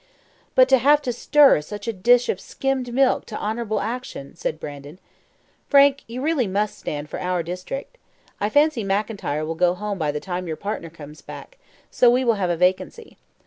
"But to have to stir such a dish of skimmed milk to honourable action!" said Brandon. "Frank, you really must stand for our district. I fancy McIntyre will go home by the time your partner comes back, so we will have a vacancy.